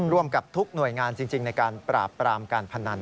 ร่วมกับทุกหน่วยงานจริงในการปราบปรามการพนัน